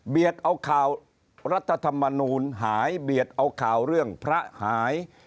เอาข่าวรัฐธรรมนูลหายเบียดเอาข่าวเรื่องพระหาย